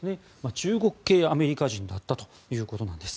中国系アメリカ人だったということです。